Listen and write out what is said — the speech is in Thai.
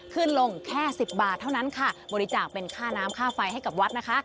ขึ้นลงแค่สิบบาทเท่านั้นค่ะบริจาคเป็นค่าน้ำค่าไฟให้กับวัดนะคะ